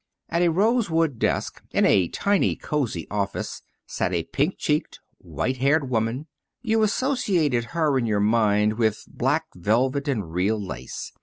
At a rosewood desk in a tiny cozy office sat a pink cheeked, white haired woman. You associated her in your mind with black velvet and real lace.